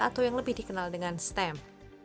atau yang lebih dikenal dengan stem